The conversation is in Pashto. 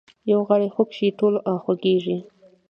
یو غړی خوږ شي ټول خوږیږي